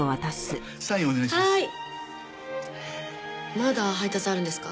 まだ配達あるんですか？